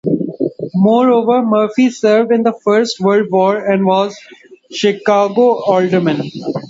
Moreover, Murphy served in the First World War and was a Chicago Alderman.